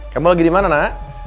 kamu lagi di mana nak